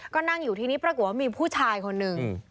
ก็นั่งอยู่ทีนี้ปรากฏว่ามีผู้ชายคนหนึ่ง